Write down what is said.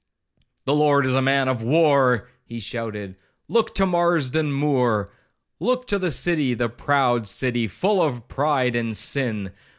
'The Lord is a man of war,' he shouted.—'Look to Marston Moor!—Look to the city, the proud city, full of pride and sin!